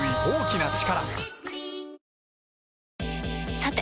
さて！